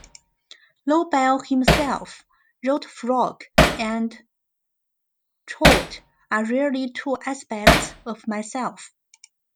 Lobel himself wrote Frog and Toad are really two aspects of myself.